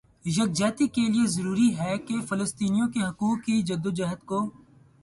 یکجہتی کےلئے ضروری ہے کہ فلسطینیوں کے حقوق کی جدوجہد کو